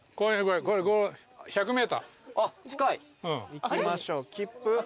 行きましょう切符。